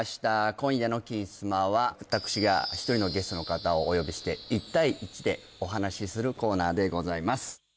今夜の金スマは私が１人のゲストの方をお呼びして１対１でお話しするコーナーでございます